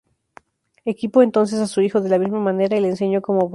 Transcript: Equipó entonces a su hijo de la misma manera y le enseñó cómo volar.